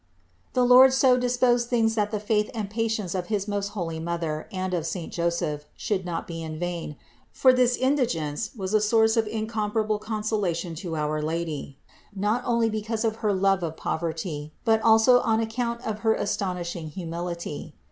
The Lord so disposed things that the faith and patience of his most holy Mother and of saint Joseph should not be vain, for this indigence was a source of incomparable consolation to our Lady, not only because of her love of poverty, but also on account of her astonishing humility.